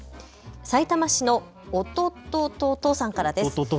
さいたま市のおととととさんからです。